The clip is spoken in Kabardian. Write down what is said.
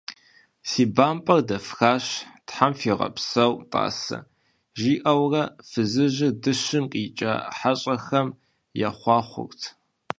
Си бампӀэр дэфхащ, Тхьэм фигъэпсэу, тӀасэ, – жиӀэурэ фызыжьыр дыщым къикӀа хьэщӀэхэм ехъуэхъурт.